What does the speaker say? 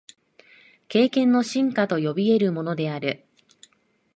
経験の深化と呼び得るものである。